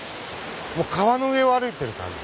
もう川の上を歩いてる感じ。